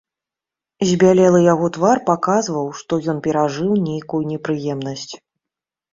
Збялелы яго твар паказваў, што ён перажыў нейкую непрыемнасць.